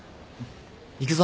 行くぞ。